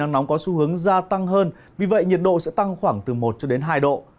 nắng nóng có xu hướng ra tăng hơn vì vậy nhiệt độ sẽ tăng khoảng từ một hai độ